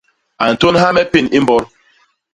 A ntônha me pén i mbôt.